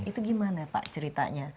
itu gimana pak ceritanya